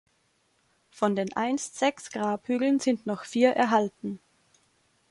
Von den einst sechs Grabhügeln sind noch vier erhalten.